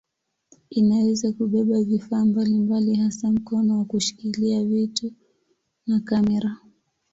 Inaweza kubeba vifaa mbalimbali hasa mkono wa kushikilia vitu na kamera.